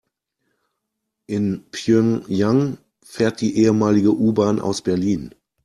In Pjöngjang fährt die ehemalige U-Bahn aus Berlin.